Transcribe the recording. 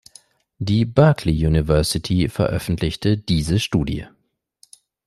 Die Berkeley University veröffentlichte diese Studie.